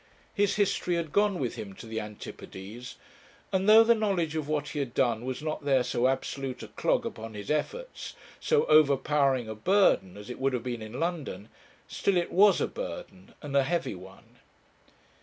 His history had gone with him to the Antipodes; and, though the knowledge of what he had done was not there so absolute a clog upon his efforts, so overpowering a burden, as it would have been in London, still it was a burden and a heavy one.